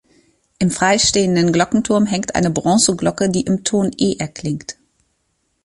Im freistehenden Glockenturm hängt eine Bronzeglocke, die im Ton e’’ erklingt.